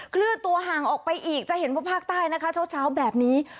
เคลื่อนตัวห่างออกไปอีกจะเห็นว่าภาคใต้นะคะเช้าแบบนี้